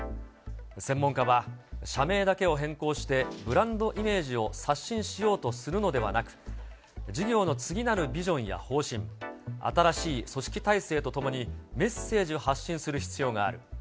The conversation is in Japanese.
専門家は、社名だけを変更してブランドイメージを刷新しようとするのではなく、事業の次なるビジョンや方針、新しい組織体制とともにメッセージを発信する必要がある。